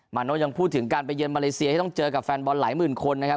โน่ยังพูดถึงการไปเยือนมาเลเซียที่ต้องเจอกับแฟนบอลหลายหมื่นคนนะครับ